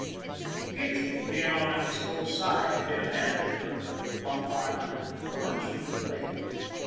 The kitchen, being on an exposed side, had been abandoned during the bombardment, and luncheon was late.